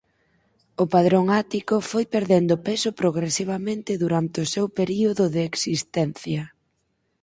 O padrón ático foi perdendo peso progresivamente durante o seu período de existencia.